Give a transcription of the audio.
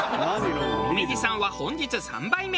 紅葉さんは本日３杯目。